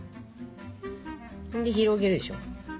で広げるでしょ。